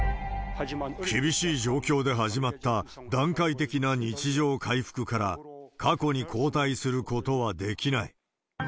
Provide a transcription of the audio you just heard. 厳しい状況で始まった段階的な日常回復から、過去に後退することはできない。